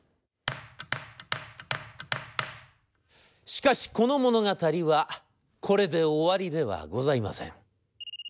「しかしこの物語はこれで終わりではございません」。